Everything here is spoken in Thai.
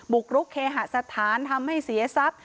กรุกเคหสถานทำให้เสียทรัพย์